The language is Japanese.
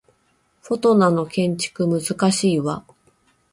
フォトナの建築難しいわ